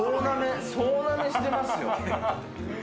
総ナメしてますよ。